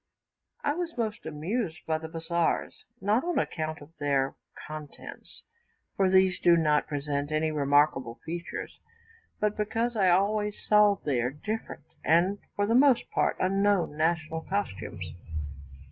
I was most amused by the bazaars, not on account of their contents, for these do not present any remarkable features, but because I always saw there different, and for the most part unknown, national costumes.